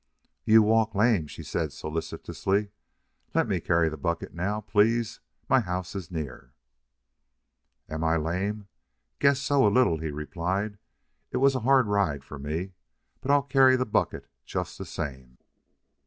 "You walk lame," she said, solicitously. "Let me carry the bucket now please. My house is near." "Am I lame?... Guess so, a little," he replied. "It was a hard ride for me. But I'll carry the bucket just the same."